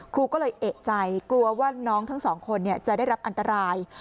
ครูก็เลยเอกใจกลัวว่าน้องทั้งสองคนจะได้รับอันตราย